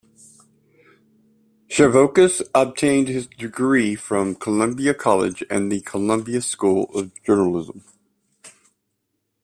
Chervokas obtained his degree from Columbia College and the Columbia School of Journalism.